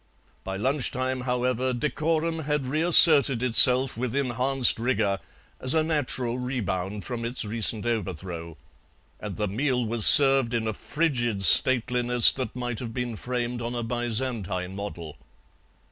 By lunch time, however, decorum had reasserted itself with enhanced rigour as a natural rebound from its recent overthrow, and the meal was served in a frigid stateliness that might have been framed on a Byzantine model.